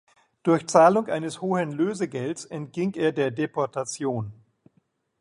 Durch Zahlung eines hohen Lösegelds entging er der Deportation.